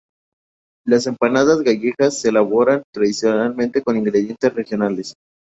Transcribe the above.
Las empanadas gallegas se elaboran tradicionalmente con ingredientes regionales.